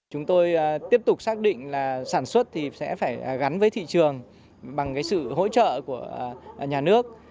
chúng tôi tiếp tục xác định là sản xuất thì sẽ phải gắn với thị trường bằng sự hỗ trợ của nhà nước